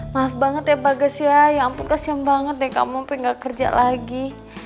maaf banget ya bagus ya ya ampun kasian banget deh kamu sampai gak kerja lagi